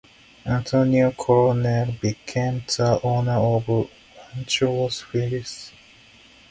Antonio Coronel became the owner of Rancho Los Feliz.